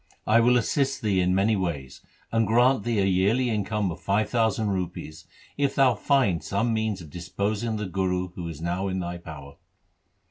I will assist thee in many ways, and grant thee a yearly income of five thousand rupees if thou find some means of disposing of the Guru who is now in thy power.